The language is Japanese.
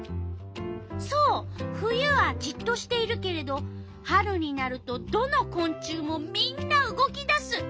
そう冬はじっとしているけれど春になるとどのこん虫もみんな動き出す！